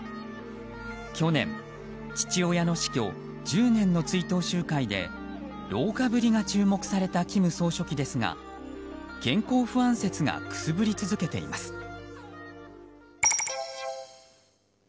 去年、父親の死去１０年の追悼集会で老化ぶりが注目された金総書記ですが健康不安説がくすぶり続けています。